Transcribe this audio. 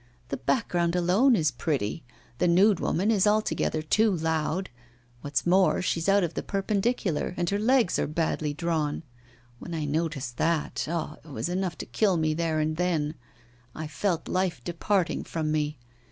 The background alone is pretty; the nude woman is altogether too loud; what's more, she's out of the perpendicular, and her legs are badly drawn. When I noticed that, ah! it was enough to kill me there and then; I felt life departing from me.